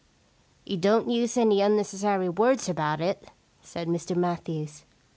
' He don't use any unnecessary words about it,' said Mr Matthews.